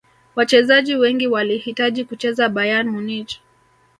wachezaji wengi walihitaji kucheza bayern munich